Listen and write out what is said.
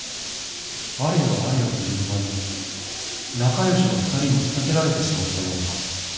あれよあれよという間に仲良しの２人に仕立てられてしまったような